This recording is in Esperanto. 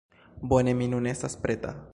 Bone, mi nun estas preta.